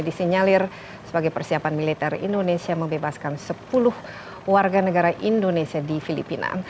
disinyalir sebagai persiapan militer indonesia membebaskan sepuluh warga negara indonesia di filipina